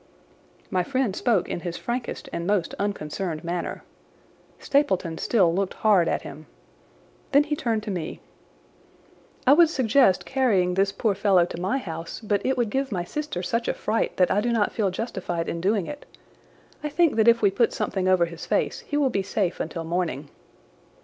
My friend spoke in his frankest and most unconcerned manner. Stapleton still looked hard at him. Then he turned to me. "I would suggest carrying this poor fellow to my house, but it would give my sister such a fright that I do not feel justified in doing it. I think that if we put something over his face he will be safe until morning."